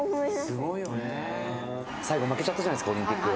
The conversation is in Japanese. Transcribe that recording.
「最後負けちゃったじゃないですかオリンピック」